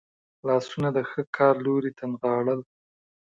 لاسونه د ښه کار لوري ته نغاړل.